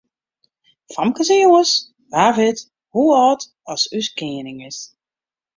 Famkes en jonges, wa wit hoe âld as ús koaning is?